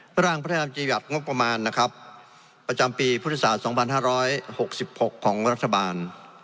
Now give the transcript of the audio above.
พระรางประธานาธิบัตรงบประมาณนะครับประจำปีภูติศาสตร์สองพันห้าร้อยหกสิบหกของรัฐบาล